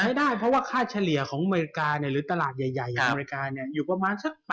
ใช้ได้เพราะค่าเฉลี่ยของอเมริกาหรือตลาดสมัยใหญ่อยู่ประมาณสัก๘